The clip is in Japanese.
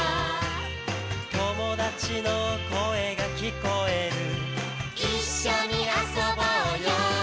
「友達の声が聞こえる」「一緒に遊ぼうよ」